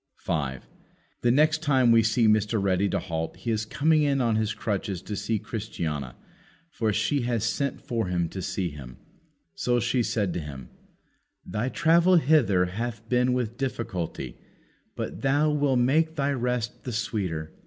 5. The next time we see Mr. Ready to halt he is coming in on his crutches to see Christiana, for she has sent for him to see him. So she said to him, "Thy travel hither hath been with difficulty, but that will make thy rest the sweeter."